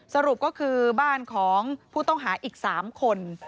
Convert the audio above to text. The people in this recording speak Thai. สรุปก็คือบ้านของผู้ต้องหาอีก๓คน